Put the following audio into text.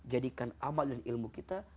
jadikan amal dan ilmu kita